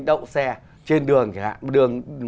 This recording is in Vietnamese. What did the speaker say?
đậu xe trên đường